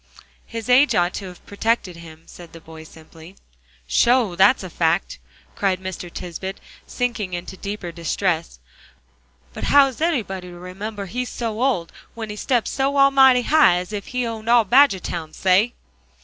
"His age ought to have protected him," said the boy simply. "Sho! that's a fact," cried Mr. Tisbett, sinking in deeper distress, "but how is anybody to remember he's so old, when he steps so almighty high, as if he owned all Badgertown say!"